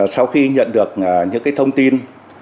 sau khi nhận được những cái thông tin